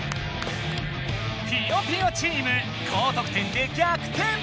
ぴよぴよチーム高得点でぎゃくてん！